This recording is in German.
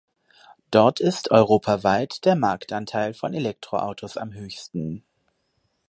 Dort ist europaweit der Marktanteil von Elektroautos am höchsten.